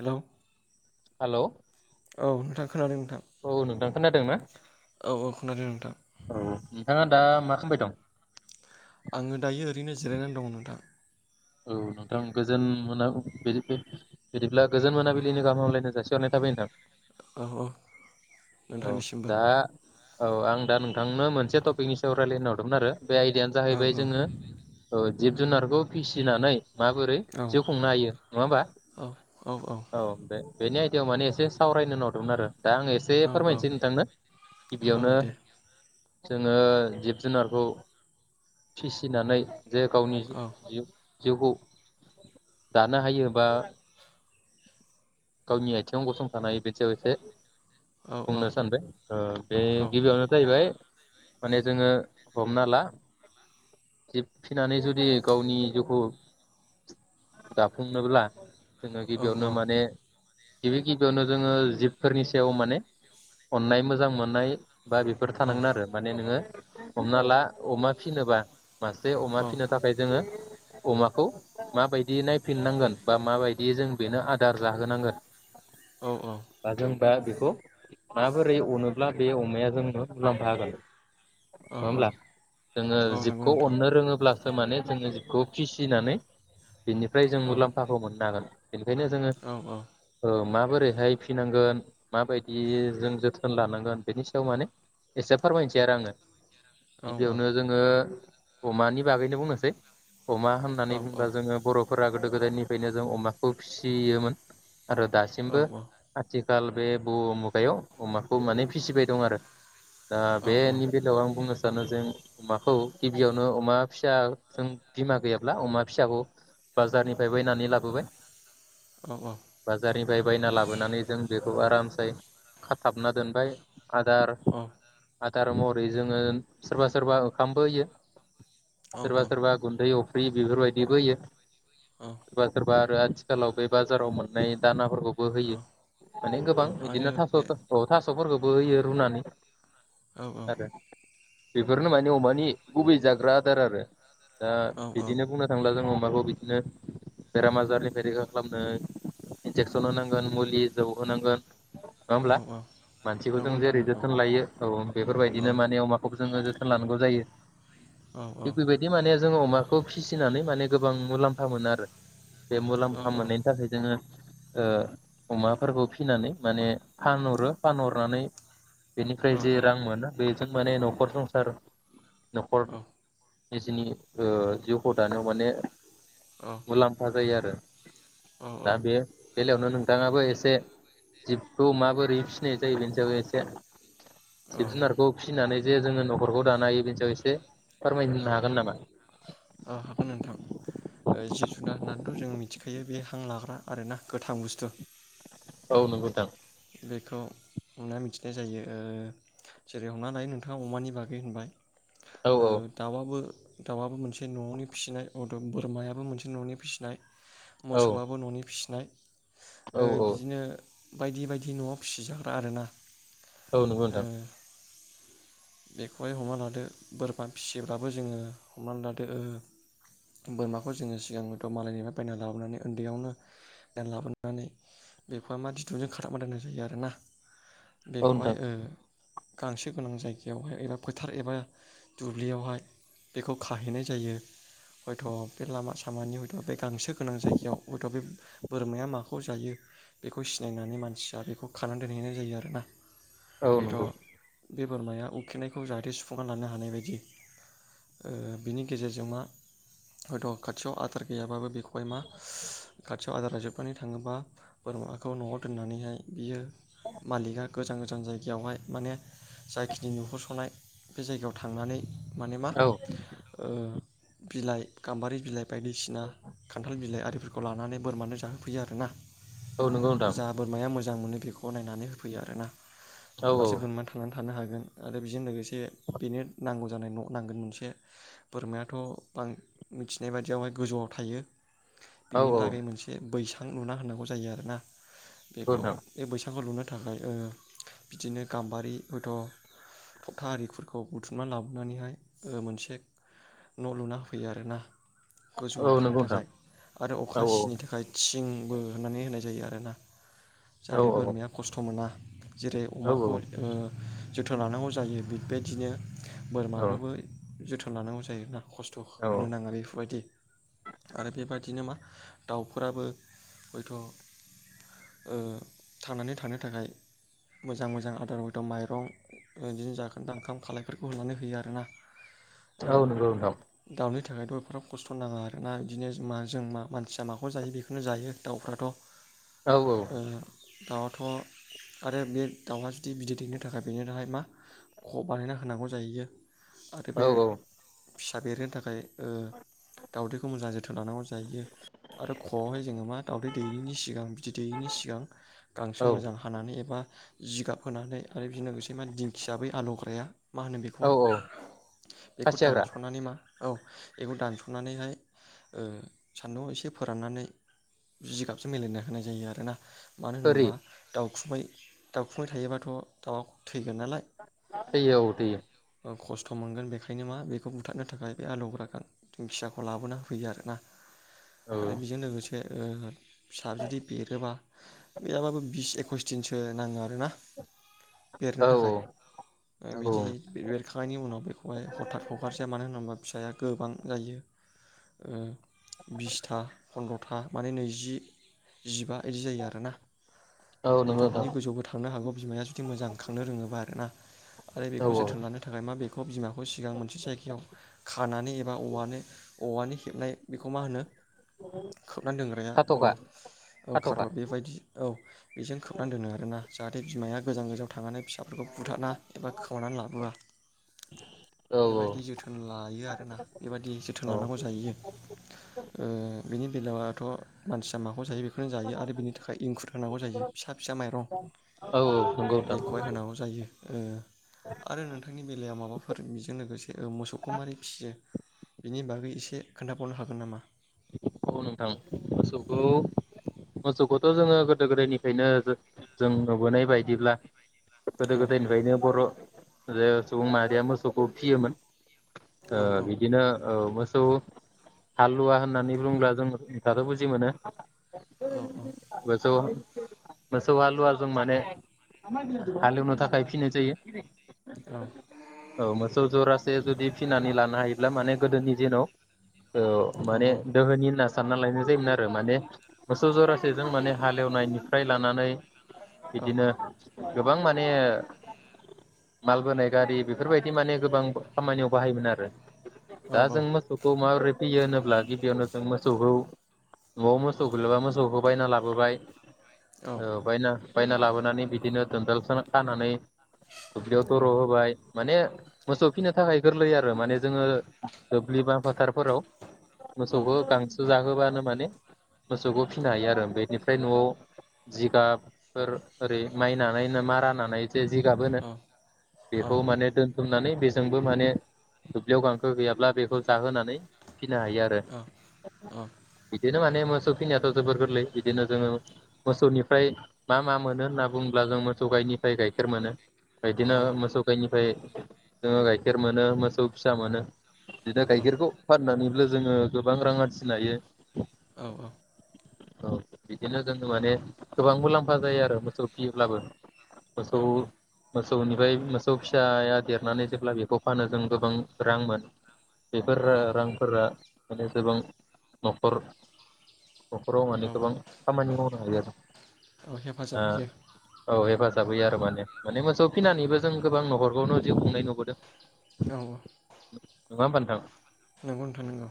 Hello. Hello. औ नोंथां। खोनादों नोंथां औ नोंथां खोनादों ना? औ औ खोनादों नोंथां। औ नोंथाङा दा मा खालामबाय दं। आङो दायो ओरैनो जिरायनानै दं नोंथां। औ नोंथां गोजोन मोना [unintelligible] बिदिब्ला गोजोन मोनाबिलिनि गाहाम हामलायनाय जासिहरनाय थाबाय नोंथां। औ औ औ नोंथांनिसिमबो। दा औ आं दा नोंथांनो मोनसे टपिकनि सायाव रायजलायनो हरदोंमोन आरो। बे आयदिायानो औ जाहैबाय औ जोङो ओ जिब जुनारखौ फिसिनानै माबोरै औ जिउ खुंनो हायो नङा होमबा औ बे बेनि आयदायाव माने एसे सावरायनो नरदोंमोन आरो। दा आं एसे औ औ फोरमायनोसै नोंथांनो औ गिबियावनो दे जोंङो जिब जुनारखौ फिसिनानै जे गावनि जि औ जिउखौ दानो हायो बा गावनि आथिङाव गसंथानो हायो बिदियाव एसे औ बुंनो सानदों बे औ गिबियावनो जाहैबाय माने जोंङो हमना ला जि फिनानै जुदि गावनि जिउखौ दाफुंनोब्ला जोंङो औ गिबियावनो माने गिबि-गिबियावनो जोंङो जिबफोरनि सायाव माने अननाय मोजां मोननाय बा बेफोर औ थानांगोन आरो माने नोङो हमना ला अमा फिनोबा मासे अमा फिनो था खाय जोंङो अमाखौ माबायदि नायफिननांगोन बा माबायदि जों बेनो आदार जाहोनांगोन औ औ जों बा बेखौ माबोरै अनोब्ला बे अमाया जोंनो मुलाम्फा होगोन नङा होमब्ला जोंङो औ नंगौ जिबखौ नोंथां अननो रोङोब्ला सो माने जोंङो जिखौ फिसिनानै बेनिफ्राय जों औ मुलाम्फाखौ मोननो हागोन बेनिखायनो जोंङो औ औ ओ मा माबोरैहाय फिनांगोन माबायदि जों जोथोन लानांगोन बेनि सायाव माने एसे फोरमायनोसै आरो आंङो औ गिबियावनो जोंङो अमानि बागैनो बुंनोसै अमा औ होननानै औ बुंब्ला जोंङो बर' फोरा गोदो-गोदायनिफ्रायनो जों अमाखौ फिसियोमोन आरो औ दासिमबो औ आथि खाल बे बुहुमुगायाव अमाखौ माने फिसिबाय दं आरो। दा औ बेनि बेलायाव आं बुंनो सा सानो जों अमाखौ गिबियावनो अमा फिसाजों बिमा गैयाब्ला अमा फिसाखौ बाजारनिफ्राय बायनानै लाबोबाय औ औ फ्राय बायना लाबोनानै जों बेखौ आरामसे खाथाबना दोनबाय आदार आ दार महरै जोंङो सोरबा सोरबा ओंखामबो होयो। औ सोरबा सोरबा गुन्दै अफ फि बेफोरबायदिबो होयो। सोरबा सोरबा आथिखालाव बे बाजाराव मोननाय दाना फोरखौबो होयो औ माने गोबां आरो बिदिनो थास' बे थास थास'फोरखौबो बो होयो रुनानै। औ औ आरो बेफोरनो माने अमानि गुबै जाग्रा दार आरो। दा औ औ बिदिनो बुंनो थांला जोङो अमाखौ बिदिनो बेराम आजारनिफ्राय रैखा खालामनो इनजेकसन होनांगोन मुलि जौ होनांगोन नङा औ होमब्ला औ मानसिखौ जों नंगौ नोंथां जेरै नंगौ जोथोन लायो औ औ बेफोरबायदिनो माने अमाखौबो जोङो जोथोन लानांगौ जायो। औ औ थिक बेबादि माने जोंङो अमाखौ फिसिनानै माने गोबां मुलाम्फा मोनो आरो। बे औ औ मुलाम्फा मोननायनि थाखाय जोङो ओ अमाफोरखौ फिनानै माने फानहरो फानहरनानै बेनिफ्राय जे रां मोनो बे माने न'खर संसार न'खर निजेनि ओ जिउखौ दानायाव माने मुलाम्फा जायो आरो। औ औ दा बे बेलायावनो नोंथाङाबो एसे जिबखौ माबोरै [unintelligible] जाहैबाय एसे जिब जुनारखौ फिसिनानै जे जोङो न'खरखौ दानो हायो बेनि सायाव एसे फोरमायनो औ हागोन नामा औ हागोन नोंथां। ओ जिब जुनार होननानैथ' जों मिथिखायो बे हां लाग्रा आरोना गोथां बुस्थु। औ नंगौ नोंथां। बेखौ हमना मिथिनाय जायो ओ जेरै हमना ला नोंथाङा अमानि बागै होनबाय औ ओ औ दावाबो दाउआबो मोनसे न'आवनि फिसिनाय, बोरमायाबो मोनसे न'नि फिसिनाय औ मोसौआबो न'नि फिसिनाय ओ औ औ बिदिनो बायदि बायदि न'आव फिसिजाग्रा आरोना। औ नंगौ नोंथां। बेखौहाय हमना लादो बोरमा फिसिब्लााबबो जोङो हमनानै लादो बोरमाखौ जोङो सिगांनिथ' मालायनिफ्राय बायनानै लाबोनानै उन्दैयावनो बायनानै लाबोनानै बेखौहाय मा दुरुंजों खाराबना दोननाय जायो आरोना। औ बेखौहाय नोंथां ओ गांसो गोनां जायगायावहाय एबा फोथार एबा दुब्लियावहाय बेखौ खाहैनाय जायो हयथ' बे लामा सामानि हयथ' बे गांसो गोनां जायगायाव हयथ' बे बोरमाया माखौ जायो बेखौ। सिनायनानै मानसिया बेखौ खानानै दोनहैनाय जायो आरोना। औ हयथ' नंगौ। बे बोरमाया उखैनायखौ जाहाथे सुफुंना लानो हानाय बायदि बिनि गेजेरजों मा हयथ' खाथियाव आदार गैयाबाबो बेखौहाय मा खाथियाव आदार जाजोबनानै थाङोबा बोरमा। खौ न'आव दोननानैहाय बियो मालिका गोजान गोजान जायगायावहाय माने, जायाखिनि नुहरस'नाय बे जायगायाव थांनानै माने मा औ ओ बिलाइ गाम्बारि बिलाइ बायदिसिना खान्थाल बिलाइ आरो। फोरखौ लानानै बोरमानो जाहोफैयो आरोना। औ नंगौ नोंथां जा बोरमाया मोजां। मोजां मोनो बेखौ नायनानै होफैयो आरो ना। औ मासे बोरमा थांनानै। थानो हागोन आरो बेजों लोगोसे बे बेनो नांगौ। जानाय न' नांगोन मोनसे बोरमायाथ' बां मिथिनाय बायदियावहाय गोजौआव थायो। औ बिनिलागै मोनसे बैसां। सां लुना होनांगौ जायो आर ना। नंगौ बेखौ नोंथां बे बैसांखौ लुनो थाखाय ओ बिदिनो गाम्बारि हथ' थबथा आरिफोरखौ बुथुमनानै लाबोनानैहाय मोनसे न' लुना होयो आरोना। गोजौआव औ थानो नंगौ नोंथां थाखाय आरो औ अखा सिनि थाखाय थिंबो होनानै होनाय जायो। जायो। ना? औ जाहाते बोरमाया खस्थ' मोना। जेरै अमाखौ औ। जोथोन लानांगौ जायो बेबायदिनो। बोरमानोबो जोथोन। थोन लानांगौ जायोोना। खस्थ' हो औ होनो नाङो बेफोर बायदि आरो बेबादिनो मा? दाउ फोराबो हयथ' ओ थांनानै थानो थाखाय मोजां मोजां आदार हइथ' माइरं बिदिनो जाखोन दा ओंखाम खालाय फोरखौ होनानै होयो आरोना। औ नंगौ नोंथां। बिनि थाखायथ' एफाग्राब खस्थ' नाङा आर ना बिदिनो जो मा जों मा मानसिया माखौ जायो बेखौनो जायो दाउफ्राथ' औ औ। दाउ आथ' आरो बे दाउआ जुदि बिदै दैनो थाखाय बेनो थाखाय मा ख बानायना होनांगौ जाहैयो। आरो बे औ फिसा बेरहोनो थाखाय ओ दाउदैखौ मोजां जोथोन लानांगौ जा यो आरो ख'आव हाय जोङो मा दाावदै दैैयिनि सिगां बिदै दैैयैनि सिगां गांसो औ मोजां हानानै एबा जिगाब होनानै आरो बेजों लोगोसे माने दिंखिया बै आलौग्राया मा होनो औ बेखौहाय औ बेखौ फासि हाग्रा दानस' नानै मा औ इखौ दानस' नानैहाय ओ सान्दुं आव एसे फोराननानै जिगाबजों मिलायना होनाय जायो आरोना। मानो ओरै होनोबा दाउ खुमै दाउखुमै थायोबाथ' दाउ आव थु थैगोन नालाय थैयो औ थैयो खस गथ' मोनगोन बेखायनो मा बेखौ बुथारनो थाखाय बे आलौग्रा दिंखियाखौ लाबोना होफैयो आरोना। औ आरो बेजों लोगोसे ओ फिसा जुदि देरोबा गैयाबाबो बिस एकइस दिनसो नाङो आरोना। बेरनो औ थाखाय ओ नंगौ बिदि बेरखांनायनि उनाव बेखौहाय हथाथ हगार जाया मानो होनोबा फिसाया गोबां जायो ओ बिसथा फन्द्र था माने नैजि जिबा इदि जायो आरोना औ औ नंगौ हयथ' बिनि नोंथां गोजौ आवबो थांनो हागौ बिमाया जुदि मोजां खांनो रोङोबा आरो ना। आरो औ बेखौ औ जोथोन लानो थाखाय मा बेखौ बिमाखौ सिगां मोनसे जायगायाव खा खानानै एबा औवानो औवानि हेबनाय बेखौ मा होनो खोबना दोनग्राया ओ खाथ'खा औ खाथ'खा खाथ'र बेबायदि औ बेजों खोबनानै दोनो आरोना। जाहाथे बिमाया गोजान गोजान थांनानै फिसा फोरखौ बुथारा एबा खावनानै लाहोआ, औ बेबायदि जोथोन लायो आरोना बेबायदि जोथोन औ लानांगौ जाहैयो। ओ बिनि बेलाया वाथ' मानसि माखौ जायो बेखौनो जायो आरो बेनि थाखाय इंखुर होनांगौ जायो फिसा फिसा माइरं औ औ नंगौ नोंथां बेखौ हाय होनांगौ जायो। आरो नोंथांनि बेलायाव माबाफोर बेजों लोगोसे मोसौखौ मारै फियो? बिनि बागै एसे खोन्था बावनो हागोन नामा? औ नोंथां मोसौखौ मोसौ खौथ' जोङो गोदो गोदायनि फ्रायनो जों नुबोनाय बायदिब्ला गोदो औ गोदयनिफायनो बर' जे सुबुं माहारिया मोसौखौ फियोमोन। ओ औ औ बिदिनो औ मोसौ हालुवा होन होननानै बुंब्ला जों [unintelligible] बु जि मोनो? औ बेथ' मोसौ हालुवा जों माने हालेवनो थाखाय फिनाय जायो। औ औ मोसौ जरासे जुदि फिनानै लानो हायोब्ला माने गोदोनि जेन' औ औ माने नि होनना सानना लायनाय जायोमोन आरो माने मोसौ जरासे जों माने हालेवनायनिफ्राय लानानै औ बिदिनो गोबां माने माल बोनाय गारि बेफोरबायदि माने गोबां खामानियाव बाहायोमोन आरो औ दा जों मोसौखौ माब्रै फियो होनोब्ला बेयावनो जों मोसौखौ न'आव मोसौ गैैबा मोसौखौ बायना लाबोबाय औ बायना बायना लाबोनानै बिदिनो दोनदाल खानानै दुब्लियाव दरक होबाय माने मोसौ फिनो थाखाय गोरलै आरो माने जोङो दोब्लि बा फोथारफोराव मोसौखौ गांसो जाहोबानो माने मोसौखौ फिनो हायो आरो बेनिफ्राय न'आव जिगाबफोर ओरै माइ नानाय मारा नानाय जे जिगाब होनो बेखौ माने दोन थुमनानै बेजोंबो माने दुब्लियाव गांखो गैयाब्ला बेखौ जाहोनानै फिनो हायो। [unintelligible] बिदि बिदिनो माने मोसौ फिनाययाथ' जोबोर गोरलै बिदिनो जोङो मोसौनिफ्राय मा मा मोनो होनना बुङोब्ला जों मोसौ गायनिफ्राय गाइखेर मोनो। बायदिनो मोसौ गायनि ओमफाय जोङो गाइखेर मोनो मोसौ फिसा मोनो। बिदिनो गाइखेरखौ फाननानैबो जोङो गोबां रां आरजिनो हायो। औ औ औ, बिदिनो जोङो माने गोबां मुलाम्फा जायो आरो मोसौ फियोब्लाबो। औ मोसौ मोसौनिफ्राय मोसौ फिसाया देरनानै जेब्ला बेखौ फानो जों गोबां रां मोन बेफोर रांफोरा जेसेबां न'खर न'खराव औ माने औ गोबां खामानि मावनो हायो आरो। हेफाजाब होयो होफाजाब होयो आरो माने माने मोसौ फिनानैबो जों गोबां नहरबावनो जि खुंनाय नुबोदों। औ नङा होमबा नोंथां? नोंगौ नोंथां नोंगौ।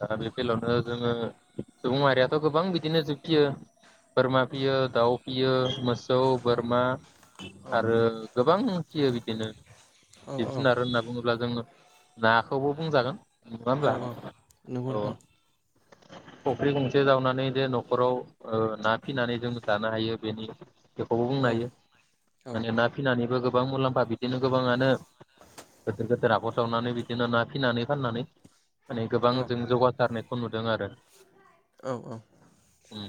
दा बे बेलायावनो जोङो सुबुं माहारियाथ' गोबां बिदिनो जोब फियो बोरमा फियो दाउ फियो मोस सौ औ बोरमा औ आरो गोबां फियो बिदिनो औ जिब औ जुनार होनना बुङोब्ला जोङो नाखौबो बुंजागोन। नङाब्ला नोंगौ नोंथां। फुख्रि गंसे जावनानै बे न'खराव ओ ना फिनानै जों जानो हायो बेनि बेखौबो बुंनो औ हायो, औ माने ना फिनानैबो गो गोबां मुलाम्फा बिदिनो गोबाङानो गोदोर गोदोर हाखर जावनानै बिदिनो ना फिनानै फाननानै माने गोबां औ जों जौगासारनायखौ नुदों आरो। औ औ उम,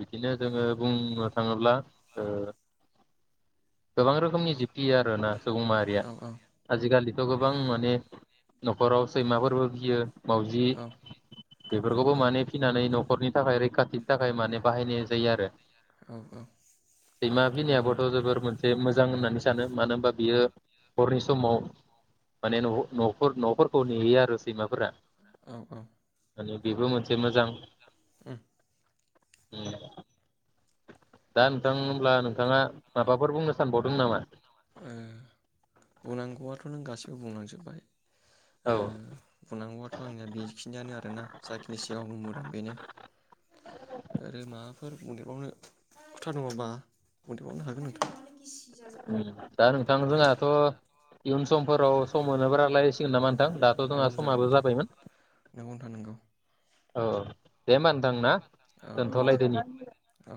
बिदिनो जोङो बुंनो थाङोब्ला ओ गोबां रोखोमनि जिपि आरो ना। सुबुं माहारिया, औ आजिखालि। गोबां माने न'खराव सैमाफोरबो फियो मावजि औ बेफोरखौबो औ माने फिनानै न'खरनि थाखाय रैखाथिनि थाखाय माने बाहायनाय जायो आरो। औ सैमा नंगौ फिनायाबोथ' नोंथां जोबोर मोनसे मोजां होननानै सानो मानो होनबा बियो हरनि समाव माने न' नफो- न'फोर खौ नेयो आरो सैमाफोरा। औ औ माने बेबो मोनसे मोजां उम दा नोंथां होनब्ला नोंथाङा माबाफोर बुंनो सानबावदों नामा? ओ बुंनांगौआथ' नों गासिबो बुंलांजोबबाय। ओ औ बुंनांगौआथ' आंनिया बेखिनियानो आरोना जाखिनि सिगाङाव बुंबोदों बेनो आरो माबाफोर बुंदेरबावनो खोथा दङबा बुंदेरबावनो हागोन नोंथाङा। ओम दा जोंहाथ' इयुन समफोराव सम मोनोबा रायलायसिगोन नामा नोंथां दाथ' औ जोंहा जागोन समाबो नोंथां जाबायमोन [inaudible] नंगौ नोंथां नंगौ औ दे होनबा नोंथां ना। औ औ दे दोनथ'लायदोनि औ